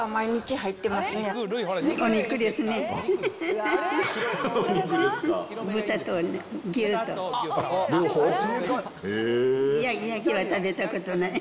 ヤギは食べたことない。